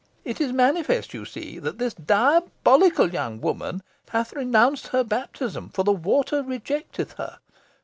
It is manifest, you see, that this diabolical young woman hath renounced her baptism, for the water rejecteth her.